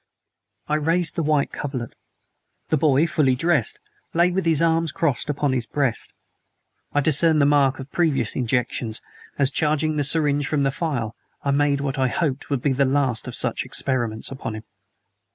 I raised the white coverlet. The boy, fully dressed, lay with his arms crossed upon his breast. I discerned the mark of previous injections as, charging the syringe from the phial, I made what I hoped would be the last of such experiments upon him.